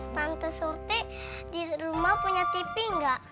tante surti di rumah punya tv nggak